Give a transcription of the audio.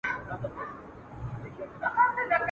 دلته مه راځۍ ښکاري تړلی لام دی ..